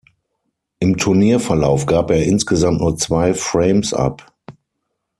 Im Turnierverlauf gab er insgesamt nur zwei Frames ab.